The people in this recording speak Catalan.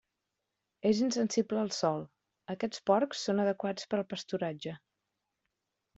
És insensible al sol, aquests porcs són adequats per al pasturatge.